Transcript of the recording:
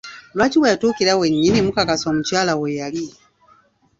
Lwaki we yatuukira wennyini mu kasaka omukyala we yali?